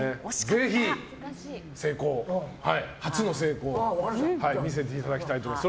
ぜひ初の成功を見せていただきたいと思います。